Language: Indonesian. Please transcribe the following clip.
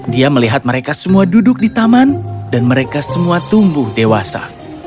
dia melihat mereka semua duduk di taman dan mereka semua tumbuh dewasa